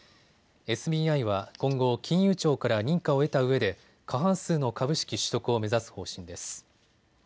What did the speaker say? ＳＢＩは今後、金融庁から認可を得たうえで過半数の株式取得を目指す方針です。